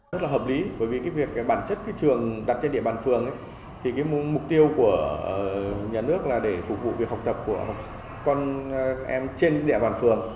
rất là hợp lý bởi vì việc bản chất trường đặt trên địa bàn phường mục tiêu của nhà nước là để phục vụ việc học tập của con em trên địa bàn phường